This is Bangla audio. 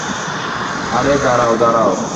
আরে, দাঁড়াও দাঁড়াও!